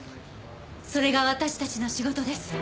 それが私たちの仕事です。